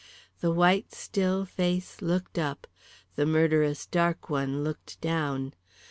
The white, still face looked up, the murderous dark one looked down.